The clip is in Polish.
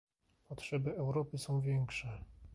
Potrzeby Europy są większe